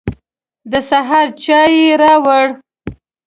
د سهار چای يې راوړ.